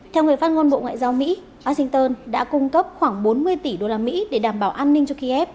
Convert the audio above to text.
theo người phát ngôn bộ ngoại giao mỹ washington đã cung cấp khoảng bốn mươi tỷ usd để đảm bảo an ninh cho kiev